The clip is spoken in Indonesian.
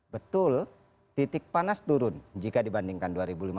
betul titik panas turun jika dibandingkan dua ribu lima belas